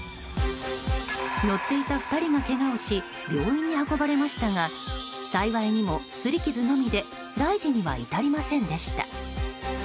乗っていた２人がけがをし病院に運ばれましたが幸いにも擦り傷のみで大事には至りませんでした。